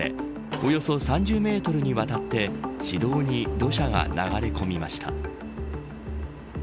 およそ３０メートルにわたって市道に土砂が流れ込みました。